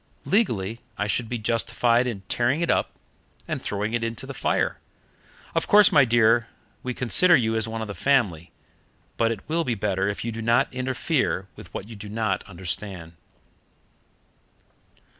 Legally, I should be justified in tearing it up and throwing it into the fire. Of course, my dear, we consider you as one of the family, but it will be better if you do not interfere with what you do not understand."